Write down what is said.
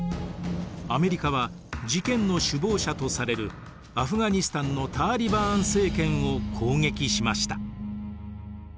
アメリカは事件の首謀者とされるアフガニスタンのターリバーン政権を攻撃しました。